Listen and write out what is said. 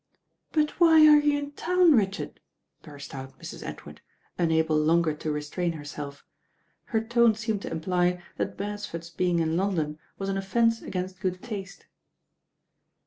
"But why are you in town, Richard?" burst out Mrs. Edward, unable longer to restrain herself. Her tone seemed to imply that Beresford's being in London was an offence against good taste.